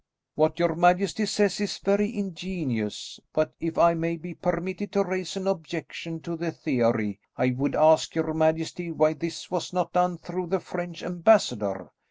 "What your majesty says is very ingenious; but if I may be permitted to raise an objection to the theory, I would ask your majesty why this was not done through the French ambassador?